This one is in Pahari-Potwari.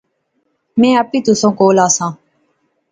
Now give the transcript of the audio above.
میں آپی تسیں کول ایساں